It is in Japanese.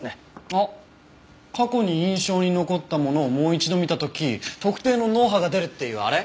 あっ過去に印象に残ったものをもう一度見た時特定の脳波が出るっていうあれ？